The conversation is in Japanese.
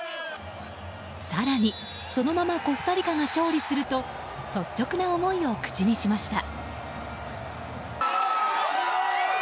更に、そのままコスタリカが勝利すると率直な思いを口にしました。